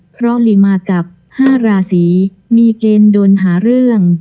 เพราะลีมากับ๕ราศีมีเกณฑ์โดนหาเรื่อง